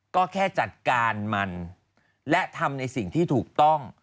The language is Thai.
ก็แค่จัดการมันและทำในสิ่งที่ถูกต้อง